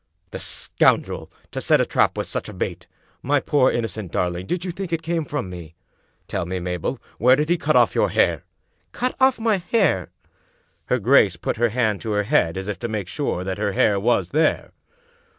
"The scoundrel I To set a trap with such a bait! My poor innocent darling, did you think it came from me? Tell me, Mabel, where did he cut off your hair? "" Cut off my hair? " Her grace put her hand to her head as if to make sure that her hair was there.